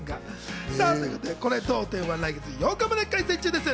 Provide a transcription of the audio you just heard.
「これどう？展」は来月８日まで開催中です。